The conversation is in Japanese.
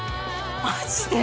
マジで？